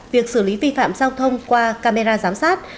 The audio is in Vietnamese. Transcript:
việc xử lý vi phạm giao thông qua camera giám sát